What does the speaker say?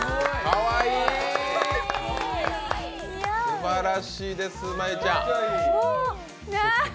すばらしいです、真悠ちゃん。